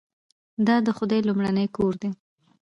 دا د خدای لومړنی کور دی.